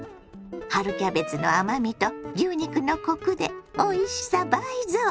春キャベツの甘みと牛肉のコクでおいしさ倍増！